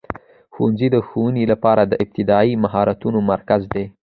ښوونځی د ښوونې لپاره د ابتدایي مهارتونو مرکز دی.